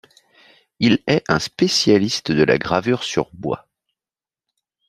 Il est un spécialiste de la gravure sur bois.